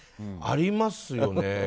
ありますよね。